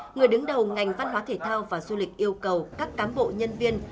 người đứng đầu ngành văn hóa thể thao và du lịch yêu cầu các cám bộ nhân viên